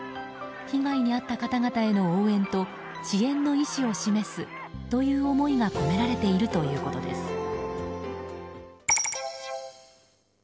被害に遭った方々への応援と支援の意思を示すという思いが込められているということです。